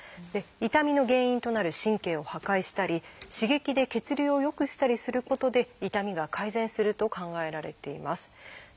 痛みの原因となる神経を破壊したり刺激で血流を良くしたりすることで痛みが改善すると考えられています。